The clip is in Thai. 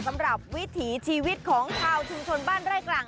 วิถีชีวิตของชาวชุมชนบ้านไร่กลาง